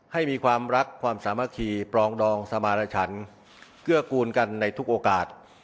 ให้มีความรักความสามัคคีปรองดองสมารชันเกื้อกูลกันในทุกโอกาส